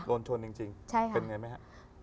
โดนชนจริงเป็นยังไงไหมครับ